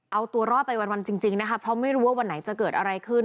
เอาตัวรอดไปวันจริงนะคะเพราะไม่รู้ว่าวันไหนจะเกิดอะไรขึ้น